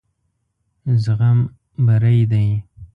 زغم بري دی.